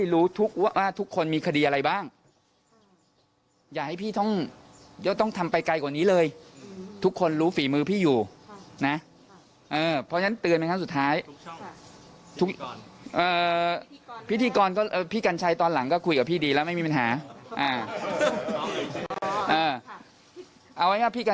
๕ล้านมีอะไรฝากไปถึงคนบนเรือไหมคะ